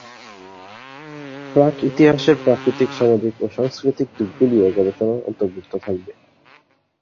প্রাক্ ইতিহাসের প্রাকৃতিক, সামাজিক ও সাংস্কৃতিক দিকগুলিও গবেষণার অন্তর্ভুক্ত থাকবে।